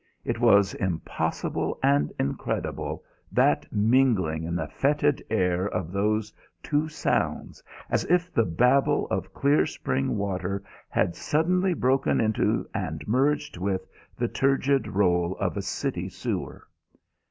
It was impossible and incredible, that mingling in the fetid air of those two sounds, as if the babble of clear spring water had suddenly broken into and merged with the turgid roll of a city sewer.